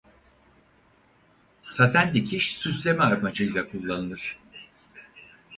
Saten dikiş süsleme amacıyla kullanılır.